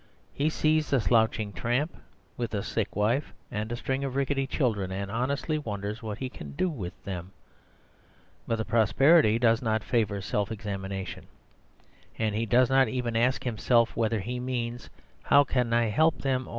He sees a slouching tramp, with a sick wife and a string of rickety children, and honestly wonders what he can do with them. But prosperity does not favour self examination; and he does not even ask himself whether he means "How can I help them?"